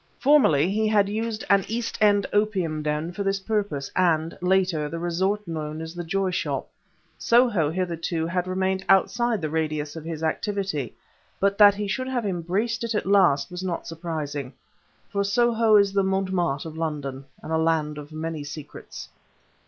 Formerly, he had used an East End opium den for this purpose, and, later, the resort known as the Joy Shop. Soho, hitherto, had remained outside the radius of his activity, but that he should have embraced it at last was not surprising; for Soho is the Montmartre of London and a land of many secrets.